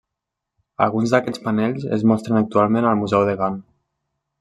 Alguns d'aquests panells es mostren actualment al museu de Gant.